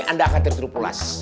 anda akan tertulis